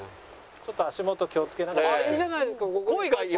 ちょっと足元気をつけながら。